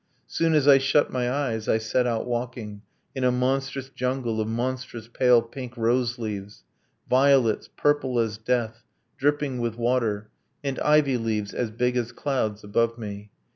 Soon as I shut my eyes I set out walking In a monstrous jungle of monstrous pale pink roseleaves, Violets purple as death, dripping with water, And ivy leaves as big as clouds above me.